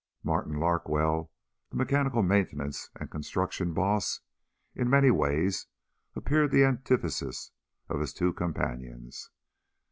Martin Larkwell, the mechanical maintenance and construction boss, in many ways appeared the antithesis of his two companions.